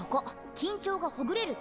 緊張がほぐれるツボ。